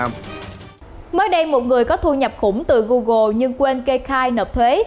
một người có thu nhập khủng từ google nhưng quên kê khai nộp thuế